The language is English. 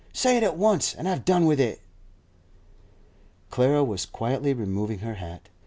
Say it at once, and have done with it.' Clara was quietly removing her hat.